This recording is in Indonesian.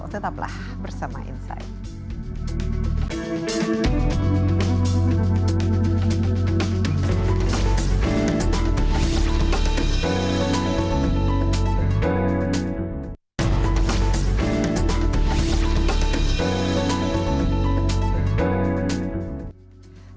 tetaplah bersama insight